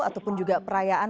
ataupun juga perayaan